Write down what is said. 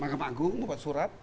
makam agung membuat surat